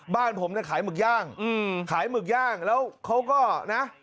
บ้านผมเนี่ยขายหมึกย่างขายหมึกย่างแล้วเขาก็นะ